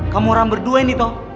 kamu orang berdua ini toh